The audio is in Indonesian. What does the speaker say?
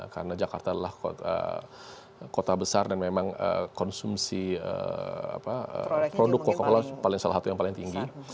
karena jakarta adalah kota besar dan memang konsumsi produk coca cola salah satu yang paling tinggi